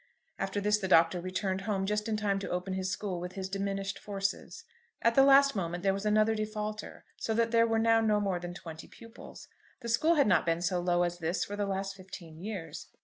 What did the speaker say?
After this the Doctor returned home, just in time to open his school with his diminished forces. At the last moment there was another defaulter, so that there were now no more than twenty pupils. The school had not been so low as this for the last fifteen years.